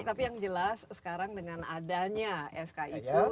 tapi yang jelas sekarang dengan adanya sk itu